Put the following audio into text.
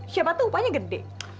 siapa tuh upanya gede